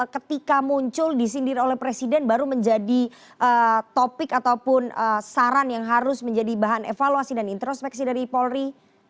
ketika muncul disindir oleh presiden baru menjadi topik ataupun saran yang harus menjadi bahan evaluasi dan introspeksi dari polri